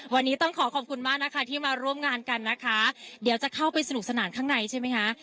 วันนี้ต้องขอขอบคุณมากนะคะที่มาร่วมงานกันนะคะเดี๋ยวจะเข้าไปสนุกสนานข้างในใช่ไหมคะ